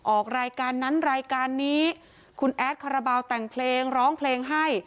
ออกรายการนั้นรายการนี้คุณแอดคาราบาลแต่งเพลงร้องเพลงให้